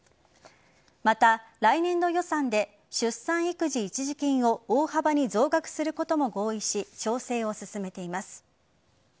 また、来年度予算で出産育児一時金を大幅に増額することも合意し調整を進めています。